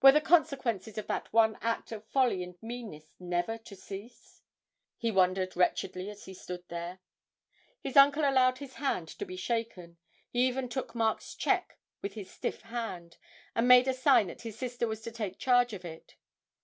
Were the consequences of that one act of folly and meanness never to cease? he wondered, wretchedly, as he stood there. His uncle allowed his hand to be shaken; he even took Mark's cheque with his stiff hand, and made a sign that his sister was to take charge of it.